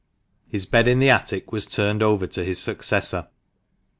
His bed in the attic was turned over to his successor.